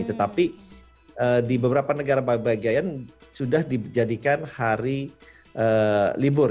tetapi di beberapa negara bagian sudah dijadikan hari libur